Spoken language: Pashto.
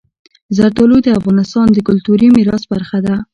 زردالو د افغانستان د کلتوري میراث برخه ده.